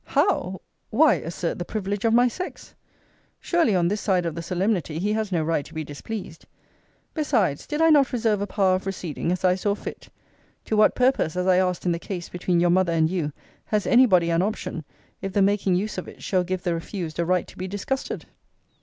How! Why assert the privilege of my sex! Surely, on this side of the solemnity he has no right to be displeased. Besides, did I not reserve a power of receding, as I saw fit? To what purpose, as I asked in the case between your mother and you, has any body an option, if the making use of it shall give the refused a right to be disgusted?